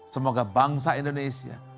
semoga bangsa indonesia